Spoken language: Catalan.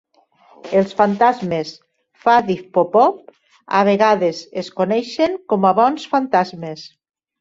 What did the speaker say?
Els fantasmes Faddeev-Popov a vegades es coneixen com a "bons fantasmes".